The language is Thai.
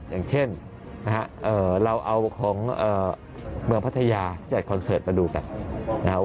อย่างเช่นนะฮะเราเอาของเมืองพัทยาจัดคอนเสิร์ตมาดูกันนะครับ